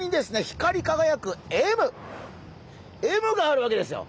光りかがやくＭＭがあるわけですよ。